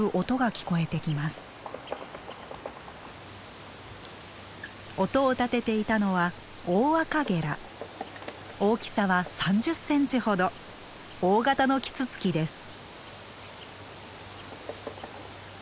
音をたてていたのは大きさは３０センチほど大型のキツツキです。